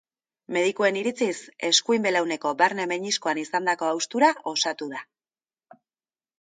Medikuen iritziz eskuin belauneko barne meniskoan izandako haustura osatu da.